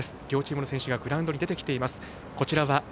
両チームの選手がグラウンドに出てきています。